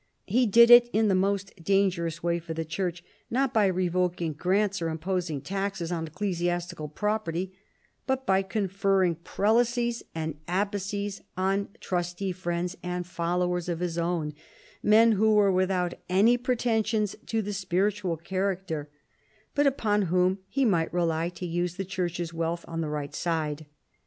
He did it in the most dangerous way for the Church, not by revoking grants or ira j)osing taxes on ecclesiastical property, but by con ferring prelacies and abbacies on trusty friends and followers of his own, men who were witliout any pretensions to the spiritual character, but upon whom he might rely to use the Church's wealth on the right side.